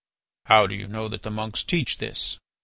"How do you know that the monks teach this?"